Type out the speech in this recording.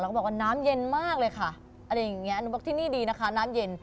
แล้วก็บอกว่าน้ำเย็นมากเลยค่ะอะไรอย่างเงี้ยหนูบอกที่นี่ดีนะคะน้ำเย็น